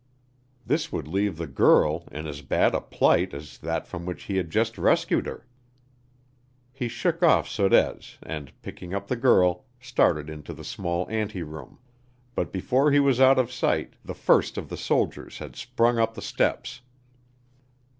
This would leave the girl in as bad a plight as that from which he had just rescued her. He shook off Sorez and, picking up the girl, started into the small anteroom; but before he was out of sight the first of the soldiers had sprung up the steps.